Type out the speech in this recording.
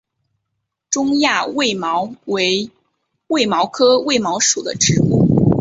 中亚卫矛为卫矛科卫矛属的植物。